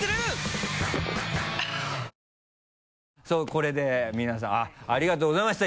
これで皆さんありがとうございました！